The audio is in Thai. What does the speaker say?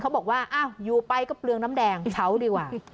บอกว่าอ้าวอยู่ไปก็เปลืองน้ำแดงเผาดีกว่า